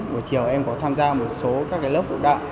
bữa chiều em có tham gia một số các lớp vụ đạo